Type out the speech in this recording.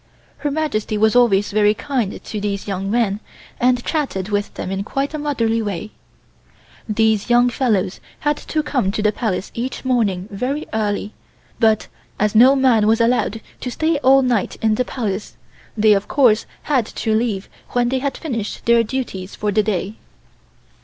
Her Majesty was always very kind to these young men, and chatted with them in quite a motherly way. These young fellows had to come to the Palace each morning very early, but as no man was allowed to stay all night in the Palace they of course had to leave when they had finished their duties for the day.